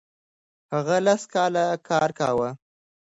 هغه لس کاله کار کاوه.